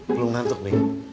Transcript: belum nantuk nih